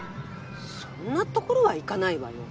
そんなところは行かないわよ。